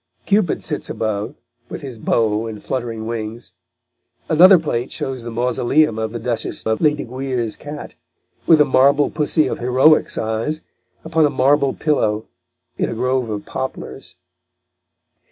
Cupid sits above, with his bow and fluttering wings. Another plate shows the mausoleum of the Duchess of Lesdiguières' cat, with a marble pussy of heroic size, upon a marble pillow, in a grove of poplars.